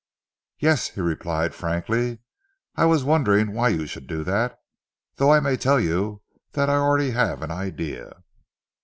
"Yes," he replied frankly. "I am wondering why you should do that, though I may tell you that I already have an idea."